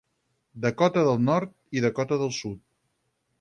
Dakota del Nord i Dakota del Sud.